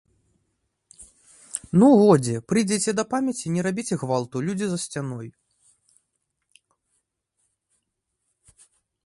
Ну, годзе, прыйдзіце да памяці, не рабіце гвалту, людзі за сцяной.